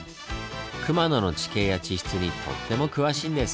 熊野の地形や地質にとっても詳しいんです。